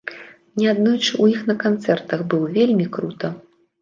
Неаднойчы ў іх на канцэртах быў, вельмі крута.